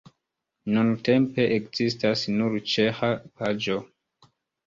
Nuntempe ekzistas nur ĉeĥa paĝo.